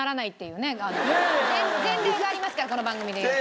前例がありますからこの番組で言うと。